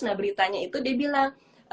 nah beritanya itu dia bilang